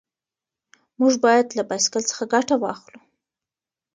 موږ باید له بایسکل څخه ګټه واخلو.